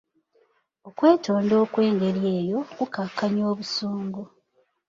Okwetonda okwengeri eyo, kukkakanya obusungu.